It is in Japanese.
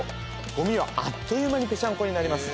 ゴミはあっという間にペシャンコになります